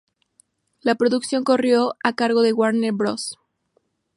La producción corrió a cargo de Warner Bros.